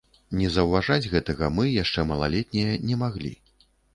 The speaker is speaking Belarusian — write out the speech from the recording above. Не заўважаць гэтага мы, яшчэ малалетнія, не маглі.